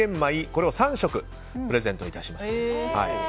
これを３食プレゼントいたします。